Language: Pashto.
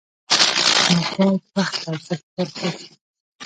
موږ باید وخت ته ارزښت ورکړو